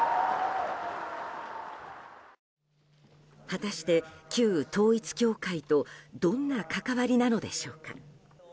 果たして、旧統一教会とどんな関わりなのでしょうか。